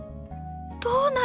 どうなる？